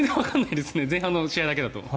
前半の試合だけだと。